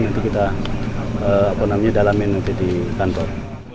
nanti kita dalamin nanti di kantor